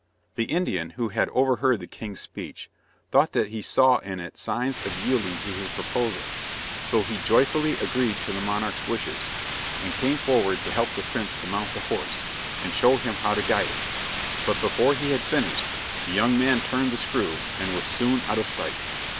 The Indian, who had overheard the king's speech, thought that he saw in it signs of yielding to his proposal, so he joyfully agreed to the monarch's wishes, and came forward to help the prince to mount the horse, and show him how to guide it: but, before he had finished, the young man turned the screw, and was soon out of sight.